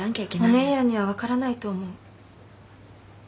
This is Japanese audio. お姉やんには分からないと思う。